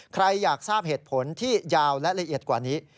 ใครอยากทราบเหตุผลที่ยาวและละเอียดกว่านี้